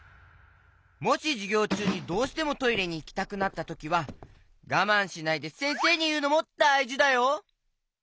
もしじゅぎょうちゅうにどうしてもトイレにいきたくなったときはがまんしないでせんせいにいうのもだいじだよ。